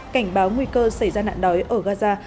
cảnh báo nguy cơ xảy ra nạn đói ở gaza